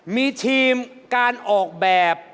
มีทีมการออกแบบ